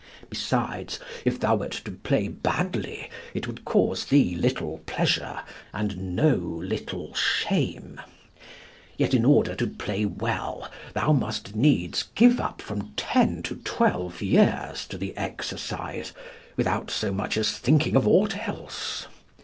Besides, if thou wert to play badly it would cause thee little pleasure and no little shame. Yet in order to play well thou must needs give up from ten to twelve years to the exercise, without so much as thinking of aught else.